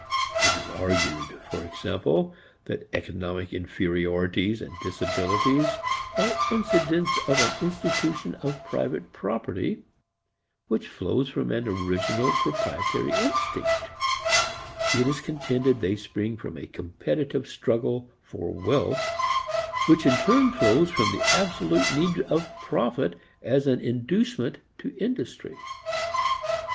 It is argued, for example, that economic inferiorities and disabilities are incidents of an institution of private property which flows from an original proprietary instinct; it is contended they spring from a competitive struggle for wealth which in turn flows from the absolute need of profit as an inducement to industry.